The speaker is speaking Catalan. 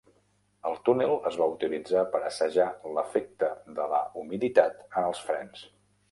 El túnel es va utilitzar per assajar l'efecte de la humiditat en els frens.